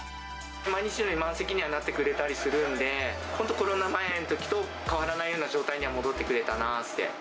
毎日のように満席にはなってくれたりするんで、本当、コロナ前のときと変わらないような状態には戻ってくれたなって。